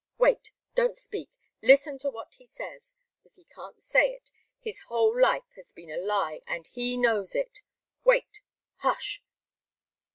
Wait don't speak listen to what he says! If he can't say it, his whole life has been a lie, and he knows it wait hush!"